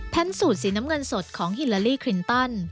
สูตรสีน้ำเงินสดของฮิลาลีคลินตัน